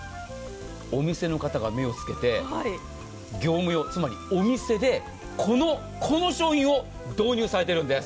お店の方が目をつけて業務用、つまりお店でこの商品を導入されているんです。